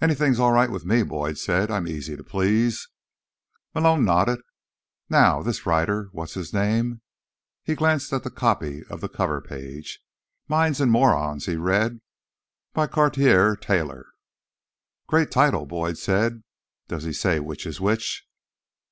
"Anything's all right with me," Boyd said. "I'm easy to please." Malone nodded. "Now, this writer—what's his name?" he said. He glanced at the copy of the cover page. "Minds and Morons," he read. "By Cartier Taylor." "Great title," Boyd said. "Does he say which is which?"